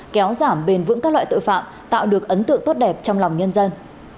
kéo giảm bền vững các loại tội phạm tạo được ấn tượng tốt đẹp trong lòng nhân dân